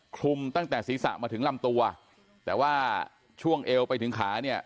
คลุมตั้งแต่ศีรษะมาถึงลำตัวแต่ว่าช่วงเอวไปถึงขาเนี่ย